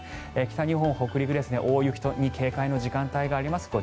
北日本、北陸大雪に警戒の時間帯があります。